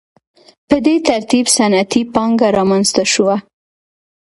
په دې ترتیب صنعتي پانګه رامنځته شوه.